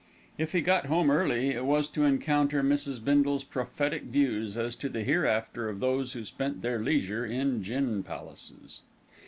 If he got home early, it was to encounter Mrs. Bindle's prophetic views as to the hereafter of those who spent their leisure in gin palaces.